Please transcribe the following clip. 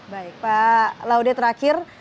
baik pak laude terakhir